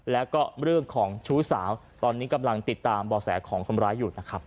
แล้วก็เรื่องของชู้สาวตอนนี้กำลังติดตามบ่อแสของคนร้ายอยู่นะครับ